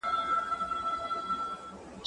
دا بوټونه له هغه پاک دي؟!